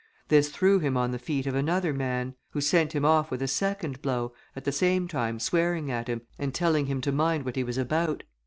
This threw him on the feet of another man, who sent him off with a second blow, at the same time swearing at him, and telling him to mind what he was about.